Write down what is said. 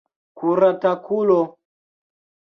Kuratakulo!